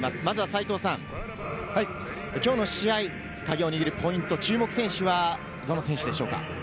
斉藤さん、きょうの試合、カギを握るポイント、注目選手はどの選手でしょうか？